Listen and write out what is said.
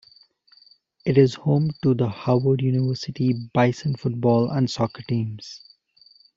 It is home to the Howard University Bison football and soccer teams.